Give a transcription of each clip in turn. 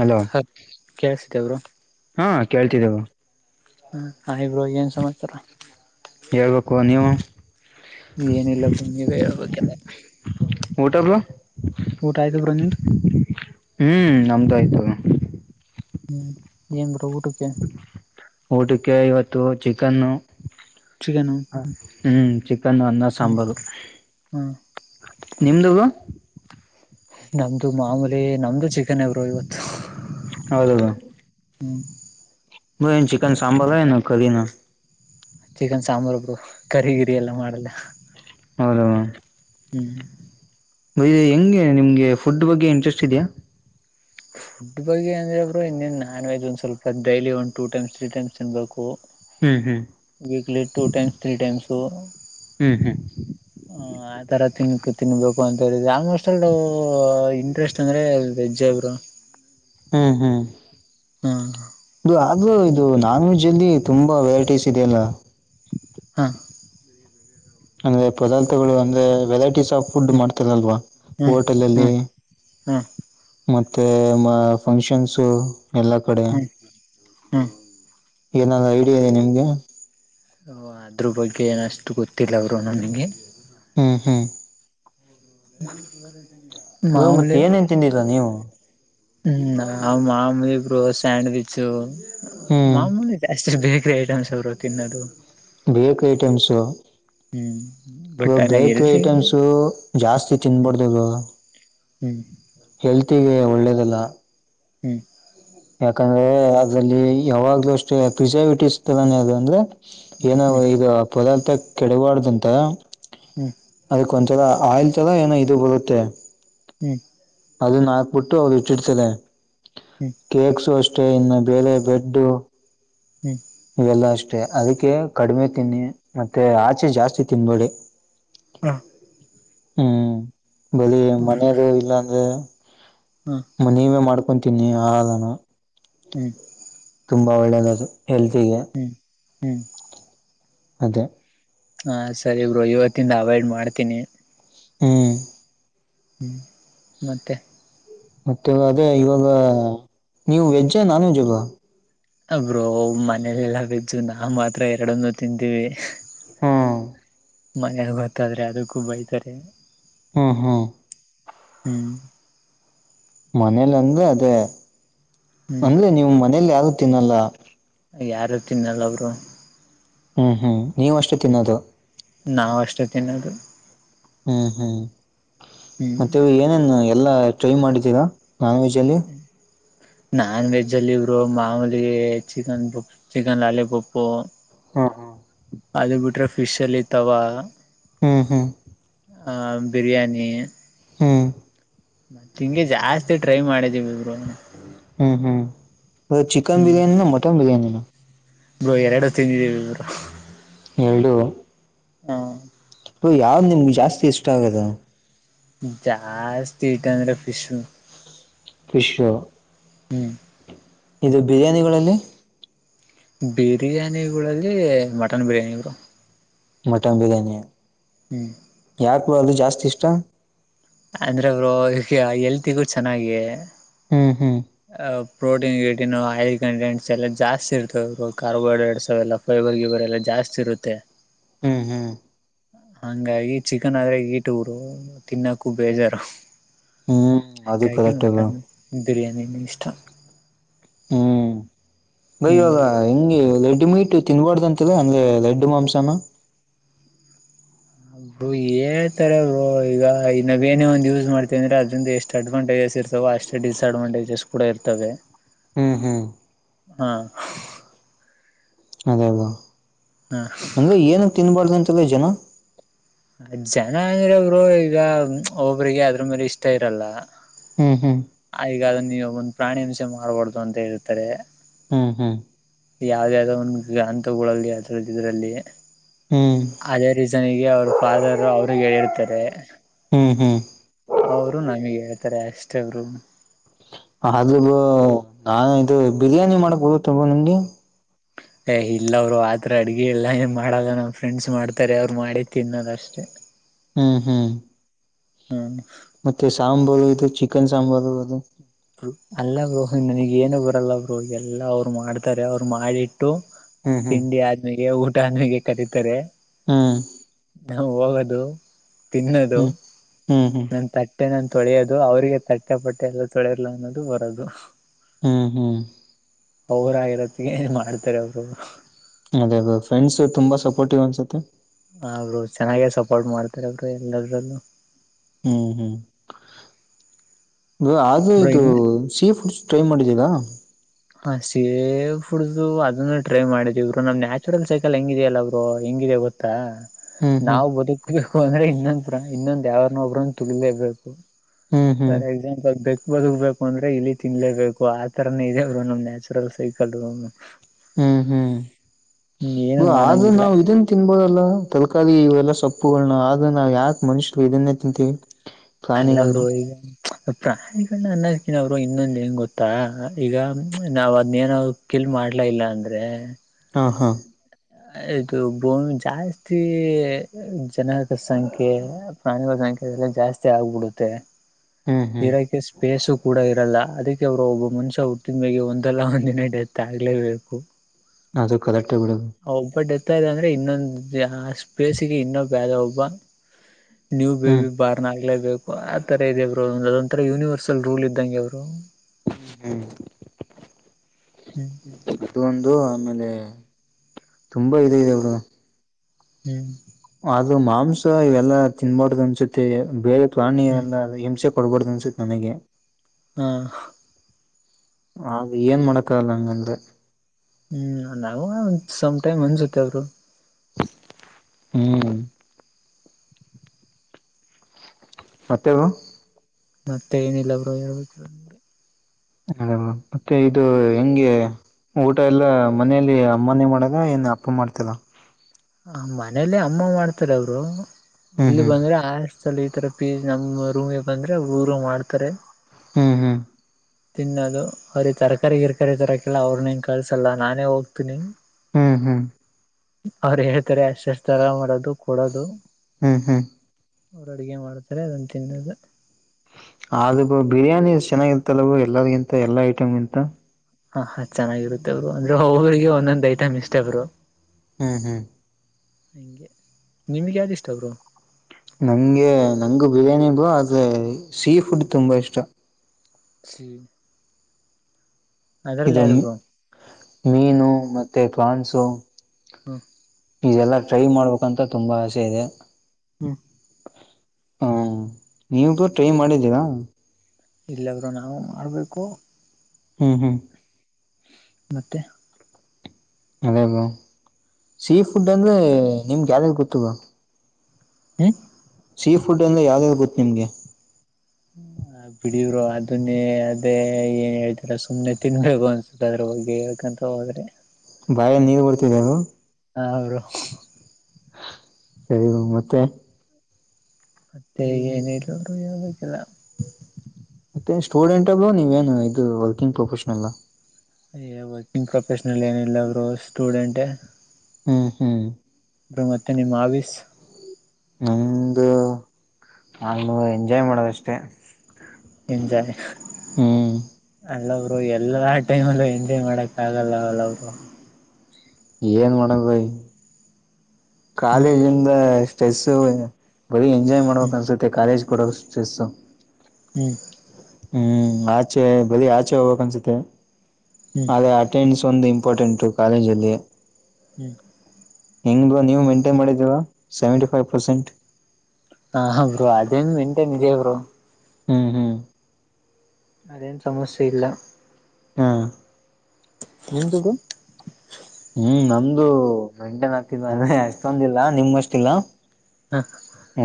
Hello ಹ ಕಸಿದ್ದ ಅವರು ಕೇಳ್ತಿದ್ದೀವು ಹಾಯ್ ಬ್ರೋ ಏನ್ ಸಮಾಚಾರಾ ಹೇಳ್ಬೇಕು ನೀವು ನೀ ಏನಿಲ್ಲ ಬ್ರೋ ನೀವೇ ಹೇಳ್ಬೇಕೇಲ್ಲಾ ಊಟಾ ಬ್ರೋ ಊಟಾ ಆಯ್ತು ಬ್ರೋ, ನಿಮ್ಮದು ಹ್ಮ್ ನಮ್ಮದಾಗಿತ್ತು ಏನ್ ಬ್ರೋ ಊಟಕ್ಕೆ ಊಟಕ್ಕೆ ಇವತ್ತು ಚಿಕನ್ನು ಚಿಕನು ಹ್ಮ್ ಚಿಕನ್ ಅನ್ನ ಹ್ಮ್ ಸಾಂಬಾರು ಹ್ಮ್ ನಿಮ್ದ ನಮ್ದು ಮಾಮೂಲಿ ನಮ್ದು ಚಿಕನ್ ಬ್ರೋ ಇವತ್ತು ಹೌದೌ ಬ್ರೋ ಹ್ಮ ಏನ್ ಚಿಕನ್ ಸಾಂಬಾರ ಏನು ಕರಿನ ಚಿಕನ್ ಸಾಂಬಾರ್ ಬ್ರು ಕರಿ ಗಿರಿ ಎಲ್ಲ ಮಾಡಲ್ಲ. ಹೌದು ಹ್ಮ ಹೆಂಗೆ ನಿಮ್ಗೆ ಫುಡ್ ಬಗ್ಗೆ ಇಂಟ್ರೆಸ್ಟ್ ಇದೆಯಾ ಫುಡ್ ಬಗ್ಗೆ ಅಂದ್ರೆ ಬ್ರು ಇನ್ನೇನ್ ನಾನ್ ವೆಜ್ ಒಂದ ಸ್ವಲ್ಪ ಡೈಲಿ ಒಂದು ಟೂ ಟೈಮ್ಸ್ ತ್ರೀ ಟೈಮ್ಸ್ ತಿನ್ಬೇಕು ಹ್ಮ್ ಹ್ಮ್ weekly two times three times ಹ್ಮ್ ಹ್ಮ್ ಹ ಆತರ ತಿನ್ಕು ತಿನ್ಬೇಕು ಅಂತ ಹೇಳಿದೆ ಆಲ್ಮೋಸ್ಟ್ ನಾವು ಇಂಟ್ರೆಸ್ಟ್ ಅಂದ್ರೆ ನಿಜ ಬ್ರೋ ಹ್ಮ್ ಹ್ಮ್ ಹಾ ಇದು ಆದೂ ಇದು ನಾನ್ ವೆಜ್ ಲ್ಲಿ ತುಂಬ ವೆರೈಟೀಸ್ ಇದೆಯಲ್ಲ ಹಾ ಅಂದ್ರೆ ಪದಾರ್ಥಗಳು ಅಂದ್ರೆ ವೆರೈಟೀಸ್ ಫುಡ್ ಮಾಡ್ತಾರಲ್ವಾ ಹ್ಮ್ ಹೋಟೆಲ್ಲ್ಲಿ ಹ್ಮ್ ಹ್ಮ್ ಮತ್ತೆ ಫಂಕ್ಷನ್ಸ ಎಲ್ಲಾ ಕಡೆ ಹ್ಮ ಏನಾದ್ೂ ಐಡಿಯಾ ಇದೆ ನಿಮ್ಗೆ ಅದ್ರ ಬಗ್ಗೆ ಏನಷ್ಟು ಗೊತ್ತಿಲ್ಲ ಅವರು ನನಗೆ ಹ್ಮ್ ಹ್ಮ್ ಇವಾಗ ಮತ್ತೆ ಮಾಮೂಲಿ ಏನೇನ್ ತಿಂದಿಲ್ಲ ನೀವು ಹ್ಮ ನ ಮಾಮೂಲಿ ಇಬ್ರು ಸ್ಯಾಂಡ್ವಿಚ್ ಹ್ಮ್ ಮಾಮೂಲಿ ಜಾಸ್ತಿ ಬೇಕು ಡನ್ಸ್ ಅವರು ತಿನ್ನೋದು ಬೇೇಕ ಐಟಮ್ಸು ಹ್ಮ್ ಇ ಬಟ್ ಅನ ಬೇಕ್ರಿ ಎಲ್ರಿ ಐಟಮ್ಸು ಜಾಸ್ತಿ ತಿನ್ಬಡ್ದದು ಹ್ಮ್ ಹೆಲ್ತಿಗೆ ಒಳ್ಳೇದಲ್ಲ ಹ್ಮ್ ಯಾಕಂದರೆ ಅದರಲ್ಲಿ ಯಾವಾಗಲೂ ಅಷ್ಟೇ ಪ್ರಿಸರ್ವಿಟಿಸ್ತದ ಅದು ಅಂದರೆ ಏನ ಹ್ಮ್ ಈಗ ಪದಾರ್ಥ ಕೆಡವಾಡ್ದಂತ ಹ್ಮ್ ತರ ಆಯಿಲ್ ತರ ಏನೋ ಇದು ಬರುತ್ತೆ ಹ್ಮ್ ಅದನ್ನ ಹಾಕ್ಬಿಟ್ಟು ಅವರು ಇಟ್ಟಿಡ್ತಾರೆ ಹ್ಮ್ ಕೇಕ್ಸ್ ಅಷ್ಟ ಅಷ್ಟೆ ಇನ್ನು ಬೇರೆ ಬೆಡ್ಡು ಹ್ಮ್ ಇವೆಲ್ಲ ಅಷ್ಟೆ ಅದಕ್ಕೆ ಕಡಿಮೆ ತಿನ್ನಿ ಮತ್ತೆ ಆಚೆ ಜಾಸ್ತಿ ತಿನ್ಬೇಡಿ ಹಾ ಹ್ಮ್ ಬರೀ ಮನೇದು ಇಲ್ಲ ಅಂದ್ರೆ ಹ್ಮ್ ನೀವೇ ಮಾಡ್ಕ ಕೊ ತಿನ್ನಿ ಹಾಲು ನಾ ಹ್ಮ್ ತುಂಬಾ ಒಳ್ಳೇದದು ಹೆಲ್ತಿಗೆ ಹ್ಮ್ ಹ್ಮ್ ಅದೇ ಹಾ ಸರಿ ಇಬ್ರು ಇವತ್ತಿಂದ ಅವಾಯ್ಡ್ ಮಾಡ್ತೀನಿ ಹ್ಮ್ ಹ್ಮ್ ಮತ್ತೆ ಮತ್ತೆ ಅದೇ ಇವಾಗ ನೀವು ವೆಜ್ ನಾನ್ ವೆಜ್ ಅಗ ಇಲ್ಲಾ ಬ್ರ ಮನೇಲೆಲ್ಲಾ ವೆಜ್ಜು ನಾವು ಮಾತ್ರ ಎರಡನ್ನು ತಿಂತೀವಿ ಹ್ಮ್ ಮ ನಾಗ್ಯಾ ಗೊತ್ತಾದ್ರೆ ಅದಕ್ಕೂ ಬೃತಾರೆ ಹ್ಮ ಹ್ಮ್ ಹ್ಮ್ ಮನೇಲಿ ಅಂದ್ರೆ ಅದೇ ಹ್ಮ್ ಅಂದ್ರೆ ನೀವು ಮನೇಲಿ ಯಾರು ತಿನ್ನಲ್ಲ ಯಾರ ತಿನ್ನಲ್ಲ ಬ್ರೋ ಹ್ಮ್ ಹ್ಮ್ ನೀವು ಅಷ್ಟೇ ತಿನ್ನೋದು ನಾವ ಅಷ್ಟು ತಿನ್ನೋದು ಹ್ಮ್ ಹ್ಮ್ ಹ್ಮ್ ಮತ್ತೆ ಏನೇನು ಎಲ್ಲಾ ಚಯ ಮಾಡಿದ್ದೀರಾ ನಾನ್ವೆೆಜ್ ಅಲ್ಲಿ ನಾನ್ ವೆಜ್ ಅಲ್ಲಿ ಇಬ್ರು ಮಾಮೂಲಿ ಚಿಕನ್ ಪಪ್ಪು ಚಿಕನ್ ಲಾಲಿ ಪಪ್ಪು ಹಾ ಹಾ ಅದು ಬಿಟ್ರೆ ಫಿಶ್ ಅಲ್ಲಿ ಇತಾವ ಹ್ಮ್ ಹ್ಮ್ ಹ ಬಿರಿಯಾನಿ ಹೂ ತಿಂಡಿ ಜಾಸ್ತಿ ಟ್ರೈ ಮಾಡಿದಿವಿ ಬ್ರೋ ಹ್ಮ್ ಹ್ಮ್ ಬ್ರೋ ಚಿಕನ್ ಹ್ಮ್ ಬಿರಯಾನಿ ನ ಮಟನ್ ಬಿರಯಾನಿ ನ ಬ್ರೋ ಎರಡು ತಿಂದಿದೀವಿ ಬ್ರೋ ಎರಡು ಹಾ ಯಾವ್ದೋ ನಿಮ್ಗೆ ಜಾಸ್ತಿ ಇಷ್ಟ ಆಗದ ಜಾಸ್ತಿ ಇಷ್ಟ ಅಂದ್ರೆ ಫಿಶು ಪಿಶು ಹ್ಮ್ ಇದು ಬಿರಿಯಾನೀ ಒಳಗೇ ಬಿರಿಯಾನಿ ವೋಲಗೆ mutton biryani bro mutton biryani ಹ್ಮ್ ಯಾಕು ಅದು ಜಾಸ್ತಿ ಇಷ್ಟ ಅಂದ್ರ ಬ್ರೋ ಹೆಲ್ತ್ಗುಚೆನ್ನಾಗಿ ಹ್ಮ್ ಹ್ಮ್ [unintelligible] ಪ್ರೋಟೀನ್ ಗಟನ್ ಹೆಲ್ತ್ ಕಂಟೆಂಟ್ಸ್ ಎಲ್ಲ ಜಾಸ್ತಿ ಇರ್ತದೆ ಕಾರ್ಬೋಹೈಡ್ರೇಟ್ಸ್ ಎಲ್ಲ ಪೈಬರ್ ಗಿಬರ್ ಎಲ್ಲ ಜಾಸ್ತಿ ಜಾಸ್ತಿ ಇರುತ್ತೆ ಹ್ಮ್ ಹ್ಮ್ ಹಂಗಾಗಿ ಚಿಕನ್ ಆದ್ರೆ ಹೀಟ್ ಬ್ರೋ ತಿನ್ನಕ್ಕು ಬೇಜಾರು ಹ್ಮ್ ಅದು ಹಂಗಾಗಿ ಕರೆಕ್ಟ್ ಅಲ್ಲ ಮಟನ್ ಬಿರಿಯಾನಿ ಇಷ್ಟ ಹ್ಮ್ ಬಾಯಿ ಹ್ಮ್ ಇವಾಗ ಹೆಂಗೆ ರೆಡಿಮೀಟ್ ತಿನ್ಬಾರಡ್ದ ಅಂತದ ಹಂಗೆ ರೆಡ್ ಮಾಂಸಾನ ಬ್ರೋ ಹೇಳ್ತಾರೆ ಬ್ರೋ ಈಗ ಈ ನಾವ ಏನೇ ಒಂದ್ ಯೂಸ್ ಮಾಡ್ತೇವಂದ್ರೆ ಅದ್ರಂದ ಎಷ್ಟು ಅಡ್ವಾಂಟೇಜ್ ಇರ್ತ ಅಷ್ಟೇ ಡಿಸ್ಅಡ್ವಾಂಟೇಜಸ್ ಕೂಡ ಇರ್ತವೆ ಹ್ಮ್ ಹ್ಮ್ ಹಾ ಅದೇ ಬ್ರೋ ಹಾ ಅಂದ್ರೆ ಏನ ತಿನ್ಬಾರ್ದು ಅಂತಲ್ಲ ಜನ ಜನ ಅಂದ್ರೆ ಬ್ರೋ ಈಗ ಒಬ್ರಿಗೆ ಅದ್ರ ಮೇಲೆ ಇಷ್ಟ ಇರಲ್ಲ ಹ್ಮ್ ಹ್ಮ್ ಆ ಈಗ ಅದನ್ನ ನೀವು ಒಂದ್ ಪ್ರಾಣಿ ಹಿಂಸೆ ಮಾಡ್ಬಾರ್ದು ಅಂತ ಹೇಳ್ತಾರೆ ಹ್ಮ್ ಹ್ಮ್ ಯಾವ್ದ ಯಾವ್ದೋ ಒಂದು ಗಂತಗಳಲ್ಲಿ ಅದರಲ್ಲಿ ಇದ್ರಲ್ಲಿ ಹ್ಮ್ ಅದೇ ರೀಸನ್ಗೆ ಅವ್ರ ಫಾದರ್ ಅವ್ರಿಗೆ ಹೇಳತಾರೆ ಹ್ಮ್ ಹ್ಮ್ ಅವರು ನಮಗ್ ಹೇಳ್ತಾರೆ ಅಷ್ಟೇ ಬ್ರೋ ಆದ್ರ ಬ್ರೋ ಆ ಇದು ಬಿರಿಯಾನಿ ಮಾಡಕ್ ಬರುತ್ತಾಲಾ ನಿಂಗೆ [unintelligible] ಏ ಇಲ್ಲ ಬ್ರೋ ಆತ್ರರ ಅಡ್ಗೆ ಇಲ್ಲ ಏನ್ ಮಾಡಲ್ಲ ನಮ್ಮ್ ಫ್ರೆಂಡ್ಸ್ ಮಾಡ್ತಾರೆ ಅವ್ರು ಮಾಡಿದ ತಿನ್ನೋದಷ್ಟೇ ಹ್ಮ್ ಹ್ಮ್ ಹ್ಮ ಮತ್ತೆ ಸಾಂಬಾರು ಇದು ಚಿಕನ್ ಸಾಂಬಾರು ಅದು ಅಲ್ಲ ಬ್ರೋ ನನಗ ಏನು ಬರಲ್ಲ ಬ್ರೋ ಎಲ್ಲಾ ಅವ್ರು ಮಾಡ್ತಾರೆ ಅವ್ರು ಮಾಡಿ ಟ್ಟು ಹ್ಮ್ ಹ್ಮ್ ತಿಂಡಿ ಆದ್ಮಿಗೆ ಊಟ ಆದ್ಮಿಗೆ ಕರತಾರೆ ಹ್ಮ್ ನಾವು ಹೋಗದು ತಿನ್ನೋದು ಹ್ಮ್ ಹ್ಮ್ ಹ್ಮ್ ನನ್ ತಟ್ಟೆ ನಾನ್ ತೊಳೆಯೋದು ಅವ್ರಿಗೆ ತಟ್ಟೆ ಪಟ್ಟೆ ಎಲ್ಲ ತೊಳಿಯಲ್ಲ ಅನ್ನೋದು ಬರೋದು ಹ್ಮ್ ಹ್ಮ್ ಅವ್ರಾಗಿರತ್ತಿಗೆ ಏನ್ ಮಾಡ್ತಾರೆ ಬ್ರೋ ಅದೇ ಬ್ರೋ ಫ್ರೆಂಡ್ಸ್ ತುಂಬಾ ಸಪೋರ್ಟಿವ್ ಅನ್ಸುತ್ತೆ ಆ ಬ್ರೋ ಚೆನ್ನಾಗೆ ಸಪೋರ್ಟ್ ಮಾಡ್ತಾರೆ ಅವರು ಎಲ್ಲದ್ರಲ್ಲೂ ಹ್ಮ್ ಹ್ಮ್ ಆದ್ರೆ ಬ್ರೋ ಇದು ಇನ್ ಸೀಫುಡ್ ಟ್ರೈ ಮಾಡಿದ್ದೀರಾ ಹ ಸೇಫುಡ್್ದು ಅದನ್ನು ಟ್ರೈ ಮಾಡಿದ್ ಇವರು ನಮ್ ನ್ಯಾಚುರಲ್ ಸೈಕಲ್ ಹೆಂಗಿದ್ಯಲ್ಲ ಅವರು ಹಂಗಿದೆ ಗೊತ್ತಾ ಹ್ಮ್ ಹ್ಮ್ ನಾವವು ಬದುಕ್ಬೇಕು ಅಂದ್ರೆ ಇನ್ನೊಂದ ಇನ್ನೊಂದ ಯಾವಾರನ್ನೊಬ್ರ ತುಗಲೇಬೇಕು ಹ್ಮ್ ಹ್ಮ್ ಸರ್ ಎಕ್ಸಾಮಂಪ್ ಹಗ್ಬೇಕು ಬದಗ್ಬೇಕು ಅಂದ್ರೆ ಇಲ್ಲಿ ತಿನ್ಲೇಬೇಕು ಆತರನೇ ಇದೆ ಅವರು ನಮ ನ್ಯಾಚುರಲ್ ಸೈಕಲ್ ಹ್ಮ್ ಏನು ಹ್ಮ್ ಆದ್ರ ಮಾಡಂಗಿಲ್ಲ ನಾವವು ಇದನ್ ತಿನ್ಬೋದಲ್ಲ ತರಕಾರಿ ಇವೆಲ್ಲ ಸೊಪ್ಪುಗಳನ್ನ ಆದರೆ ನಾವು ಯಾಕೆ ಮನುಷ್ಯರು ಇದನ್ನೇ ತಿಂತೀವಿ ಅಲ್ಲ ಅವರು ಪ್ರಾಣಿಗಳನ್ನ ಈಗ ಪ್ರಾಣಿಗಳ ಅನ್ನಕಿನವ್ರು ಇನ್ನೊಂದ ಂಗ ಗೊತ್ತಾ ಈಗ ನಾವ್ ಅದ್ೇನ ಎಲ್ಲಿ ಮಾಡ್ಲ ಇಲ್ಲ ಅಂದ್ರೆ ಹಾ ಹಾ ಇದು ಬೋಮ ಜಾಸ್ತಿ ಜನಕ ಸಂಖ್ಯೆ ಪ್ರಾಣಿಗಳ ಸಂಖ್ಯೆ ಜಾಸ್ತಿ ಆಗ್ಬಿಡುತ್ತೆ ಹ್ಮ್ ಹ್ಮ್ ಇರೋಕ್ಕೆ ಸ್ಪೇಸು ಕೂಡ ಇರಲ್ಲ ಅದಕ್ಕೆ ಅವರು ಒಬ್ಬ ಮನುಷ್ಯ ಹುಟ್ಟಿದ ಮೇೆ ಒಂದಲ್ಲ ಒಂದಿನೇ ಡೆತ್ ಆಗ್ಲೇಬೇಕು ಅದು ಕಲೆಕ್ಟ ಬಿಡದು ತಾ ಇದೆ ಅಂದ್ರೆ ಇನ್ನೊಂದು ಆ ಸ್ಪೇಸ್ಗೆ ಇನ್ನೊ ಭೇದ ಒಬ್ಬ ನ್ಯೂ ಹ್ಮ್ ಬೇಬಿ ಬಾರ್ನ್ ಆಗ್ಲೇಬೇಕು ಆತರ ಇದೆ ಅವರು ಅದೊಂಥರ ಯೂನಿವರ್ಸಲ್ ರೂಲ್ ಇದ್ದಂಗೆ ಅವರು ್ಮ ಹ್ಮ್ ಹ್ಮ್ ಇದುೊಂದು ಆಮೇಲೆ ತುಂಬಾ ಇ ಇದೆ ಅವಡು ಹ್ಮ್ ಅದು ಮಾಂಸ ಇವೆಲ್ಲಾ ತಿನ್ಬಾರ್ದ ಅನ್ಸತ್ತ ಬೇರೆ ಪ್ರಾಣಿ ಹ್ಮ್ ಎಲ್ಲ ಹಿಂಸೆ ಕೊಡ್ಬಾರ್ದು ಅನ್ಸತ್ ನನಗೆ ಹ್ಮ್ ಹಾಗ ಏನ್ ಮಾಡಕ್ಕಾಗಲ್ಲ ಹಂಗಂದ್ರೆ ಹ್ಮ್ ನಾವೂ ಒ ಸಮ್ ಟೈಮ್ ಅನ್ಸುತ್ತೆ ಅವರು ಹ್ಮ್ ಮತ್ತಗ ಮತ್ತೆ ಏನಿಲ್ಲ ಬ್ರೋ ಹೇಳ್ಬೇಕ್ರ ನಿಂಗೆ ಹ ಮತ್ತೆ ಇದು ಹೆಂಗೆ ಊಟ ಎಲ್ಲ ಮನೇೆಯಲ್ಲಿ ಅಮ್ಮನೇ ಮಾಡಾಗ ಏನ್ ಅಪ್ಪ ಮಾಡ್ತರ ಮನೇಲಿ ಅಮ್ಮ ಮಾಡ್ತಾರೆ ಅವರು ಹ್ಮ್ ಇಲ್ಲಿ ಹ್ಮ್ ಬಂದ್ರೆ ಆ ಸಲ ಈ ತರ ಪೀ ನಮ್ಮ ರೂಮಿಗೆ ಬಂದ್ರೆ ಊರು ಮಾಡ್ತಾರೆ ಹ್ಮ್ ಹ್ಮ್ ತಿನ್ನೋದು ಅವ್ರೀ ತರಕಾರಿ ಗಿರ್ಕಾರಿ ತರಕಲ್ಲ ಅವ್ರನಂಗ ಕಳ್ಸಲ್ಲ ನಾನೇ ಹೋಗ್ತೀನಿಂಗ ಹ್ಮ್ ಹ್ಮ್ ಅವ್ರು ಹೇಳ್ತಾರೆ ಎಷ್ಟ ಎಷ್ಟ ತರ ಮಾಡೋದು ಕೊಡೋದು ಹ್ಮ್ ಹ್ಮ್ ಅವರು ಅಡ್ಗೆ ಮಾಡ್ತಾರೆ ಅದನ್ನ ತಿನ್ನೋದ ಆದ ಬೋ ಬಿರಿ್ಯಾನಿ ಚೆನ್ನಾಗಿರ್ತ್ತಲ್ವೋ ಎಲ್ಲರಿಗಿಂತ ಎಲ್ಲಾ ಐಟಮ್ಗಿಂತ ಹ ಹ ಚೆನ್ನಾಗಿರುತ್ತೆ ಅವರು ಅಂದ್ರೆ ಹ್ರರಿಗೆ ಒಂದೊಂದ್ ಐಟಮ್ ಇಷ್ಟೇ ಅವರು ಹ್ಮ್ ಹ್ಮ್ ಹಂಗೆ ನಿಮಗೆ ಯಾವ್ದು ಇಷ್ಟಬ್ರು ನಂಗೆ ನಂಗು ಬಿರಿಯಾನಿಗು ಆದ್ರೆ ಸೀ ಫುಡ್ ತುಂಬಾ ಇಷ್ಟ ಹಿ ಇದು ಮೀನು ಮತ್ತೆ ಕಾನ್ಸು ಹಾ ಇದೆಲ್ಲಾ ಟ್ರೈ ಮಾಡ್ಬೇಕಂತ ತುಂಬಾ ಆಸೆ ಇದೆ ಹಾ ಹಾ ನೀವಗೂ ಟ್ರೈ ಮಾಡಿದ್ದೀರಾ ಇಲ್ಲಾದ್ರರು ನಾವು ಮಾಡ್ಬೇಕು ಹ್ಮ್ ಹ್ಮ್ ಮತ್ತೆ ಅದೇಬಾ ಸೀ ಫುಡ್ ಅಂದ್ರೆ ನಿಮ್ಗೆ ಯಾವ್ದಾಗ ಗೊತ್ತು ಬ ಹ್ಮ ಸೀ ಫುಡ್ ಎಂದ ಯಾವ್ದಾರ ಗೊತ್ತು ನಿಮಗೆ ಹ್ಮ್ [unintelligible] ಬಿಡವರು ಅದನ್ನೇ ಅದೇ ಏನ್ ಹೇಳ್ತರ ಸುಮ್ನೆ ತಿನ್ಬೇಕು ಅನ್ಸುತ್ತ ಅದ್ರಗೆ ಯಾಕ್ರ [unintelligible] ಬಾಯ ನೀರು ಕೊಡ್ತಿದ್ದವು ಅವರು ಸರಿ ಮತ್ತೆ ಮತ್ತೆ ನ ರೂಲ ಮತ್ತೆ ಸ್ಟೂಡೆಂಟ್ಬ್ರು ನೀವೇನು ಇದು ವರ್ಕಿಂಗ್ ಪ್ರೊಫೆಷನ್ಲ್ ವರ್ಕಿಂಗ್ ಪ್ರೊಫೆಷನಲ್ ಏನಿಲ್ಲ ಅವರು ಸ್ಟೂಡೆಂಟ್ ಹ್ಮ್ ಹ್ಮ್ ಅ ಮತ್ತೆ ನಿಮ್ಮಾವಿಸ ನಮಂದು ನಾನು ಎಂಜಾಯ್ ಮಾಡೋದಷ್ಟೆ ಎಂಜಾಯ್ ಹ್ಮ್ ಅಲ್ಲಬ್ರು ಎಲ್ಲಾ ಟೈಮ್ಲ್ಲೂ ಎಂಜಾಯ್ ಮಾಡಕ್ ಆಗಲ್ಲ ಅವಲ್ಲಬ್ರು ಏನ್ ಮಾಡದಯ ಹ್ಮ್ ಕಾಲೇಜ್ಂದ ಸ್ಟ್ರೆಸ್ಸ ಬರೀ ಎಂಜಾಯ್ ಮಾಡ್ಬೇಕಕ್ ಹ್ಮ್ ಅನ್ಸುತ್ತೆ ಕಾಲೇಜ್ [unintelligible] ಹ್ಮ್ ಹ್ಮ್ ಆಚೆ ಬರೀ ಆಚೆ ಹೋಗ್ಬೇಕಕ್ ಅನ್ಸುತ್ತೆ ಹ್ಮ್ ಆದದೇ ಅಟೆಂಡನ್ಸ್ ಒಂದು ಇಂಪಾರ್ಟೆಂಟು ಕಾಲೇಜಲ್ಲಿ ಹ್ಮ್ ಹೆಂಗದುು ನೀವು ಮೇಂಟೈನ್ ಮಾಡಿದ್ದೀರಾ ಸೆವೆಂಟಿ ಫೈವ್ ಪರ್ಸೆಂಟ್ ಹ ಹ ಬರು ಅದೇನ್ ಮೆಂಟೈನ್ ಇದೆಯ ಬರು ಹ್ಮ್ ಹ್ಮ್ ಅದೇನು ಸಮಸ್ಯೆ ಇಲ್ಲ ಹಾ ನಿಮದುುಗ ಹ್ಮ್ ನಮ್ದು ಮೆಂಟೆನ್ ಹಾಕ್ತಿದ್ವ ಅ ಅಷ್ಟೊಂದಿಲ್ಲ ನಿಮ್ ಅಷ್ಟಲ್ಲ ಹಾ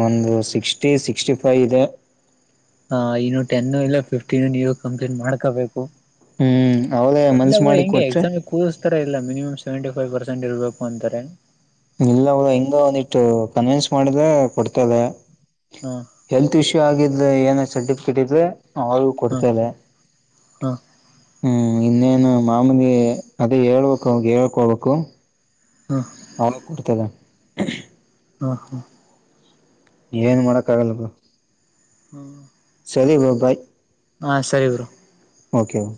ಒಂದು ಸಿಕ್ಸ್ಟಿ ಸಿಕ್ಸ್ಟಿ ಫೈವ್ ಇದೆ ಹಾ ಇನ್ನು ಟೆನ್ನು ಇಲ್ಲ ಫಿಫ್ಟೀನ್ ನೀವು ಕಂಪ್ಟ್ ಮಾಡ್ಕೋಬೇಕು ಹ್ಮ್ ಅವದೇ ಇಲ್ಲ ಮನ್ಸ ಮಾಡಿ ಹೆಗೆ ಕೊಟ್ರೆ ಎಕ್ಸಾಮ ಕೂ್ತಾರ ಇಲ್ಲ ಮಿನಿಮಮ್ ಸೆವೆಂಟಿ ಫೈವ್ ಪರ್ಸೆಂಟ್ ಇರಬೇಕು ಅಂತಾರೆ ಇಲ್ಲ ಹದ ಹಿಂಗ ಒಂದಿಟ್ಟು ಕನ್ವಿನ್ಸ್ ಮಾಡಿದ್ರ ಕೊಡ್ತಲ್ಲ ಹಾ ಹೆಲ್ತ್ ಇಶ್ಯೂ ಆಗಿದೆ ಏನ ಸರ್ಟಿಫಿಕೇಟ್ ಇದೆ ಅವ ಹಾ ಕೊಡ್ತೇಲ್ಲ ಹಾ ಹ್ಮ್ ಇನ್ನೇನು ಮಾಮೂಲಿ ಅದೇ ಹೇಳ್ಬೇಕ ಅವ ಹೇಳ್ಕೊಬೇಕು ಹಾ ಅವಳ ಕೊಡ್ತದ ಹಾ ಹಾ ಏನ್ ಮಾಡಕ್ಕ ಆಗಲ್ದು ಹ್ಮ ಸರಿ ಬಬಾಯ್ ಹಾ ಸರಿ ಬರು ಓಕೆ ಓ